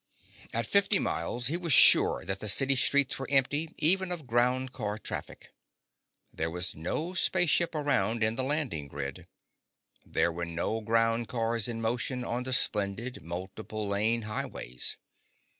At fifty miles he was sure that the city streets were empty even of ground car traffic. There was no spaceship aground in the landing grid. There were no ground cars in motion on the splendid, multiple lane highways.